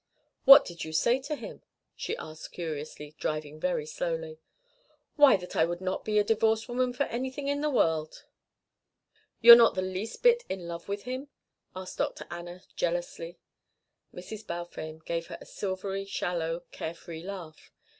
"What did you say to him?" she asked curiously, driving very slowly. "Why, that I would not be a divorced woman for anything in the world." "You're not the least bit in love with him?" asked Dr. Anna jealously. Mrs. Balfame gave her silvery shallow care free laugh.